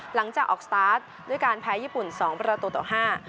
หลังจากออกสตาร์ทด้วยการแพ้ญี่ปุ่นสองประตูต่อห้า